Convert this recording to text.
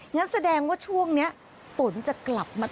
งั้นแสดงว่าช่วงนี้ฝนจะกลับมา